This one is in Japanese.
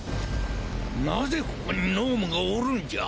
なぜここに脳無がおるんじゃ！？